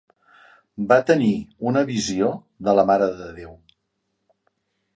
Va tenir una visió de la Mare de Déu.